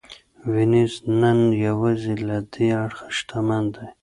وینز نن یوازې له دې اړخه شتمن دی.